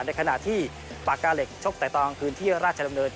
ในขณะที่ปากกาเหล็กชกแต่ตอนกลางคืนที่ราชดำเนิน